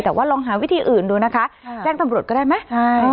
แต่ว่าลองหาวิธีอื่นดูนะคะแจ้งตำรวจก็ได้ไหม